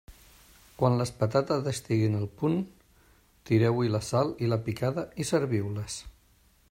Quan les patates estiguin al punt, tireu-hi la sal i la picada i serviu-les.